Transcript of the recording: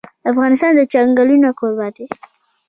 افغانستان د چنګلونه کوربه دی.